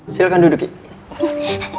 silahkan duduk kiki